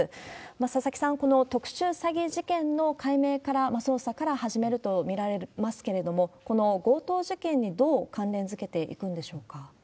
佐々木さん、この特殊詐欺事件の解明から、捜査から始めると見られますけれども、この強盗事件にどう関連づけていくんでしょうか？